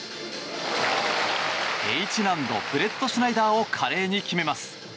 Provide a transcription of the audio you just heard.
Ｈ難度ブレットシュナイダーを華麗に決めます。